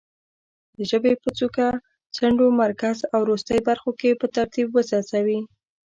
د ژبې په څوکه، څنډو، مرکز او وروستۍ برخو کې په ترتیب وڅڅوي.